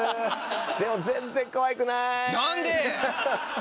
でも全然かわいくない。